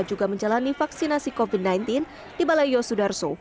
juga menjalani vaksinasi covid sembilan belas di balai yosudarso